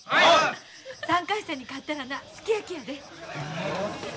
３回戦に勝ったらなすき焼きやで。